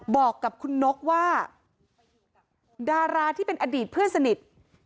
บอกกับคุณนกว่าดาราที่เป็นอดีตเพื่อนสนิท